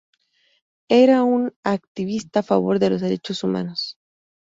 Era un activista a favor de los derechos humanos.